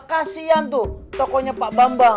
kasian tuh tokohnya pak bambang